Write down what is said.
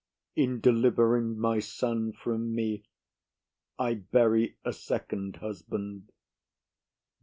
In delivering my son from me, I bury a second husband.